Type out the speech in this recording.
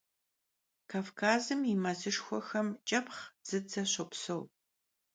Kavkazım yi mezışşxuexem ç'epxh, dzıdze şopseu.